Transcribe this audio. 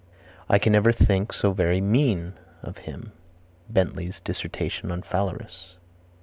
"I can never think so very mean of him." Bentley's Dissertation on Phalaris.